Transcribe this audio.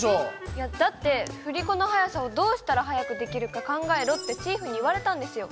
いやだって振り子の速さをどうしたら速くできるか考えろってチーフに言われたんですよ。